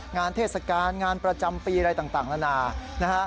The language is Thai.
งานเทศกาลงานประจำปีอะไรต่างละนะ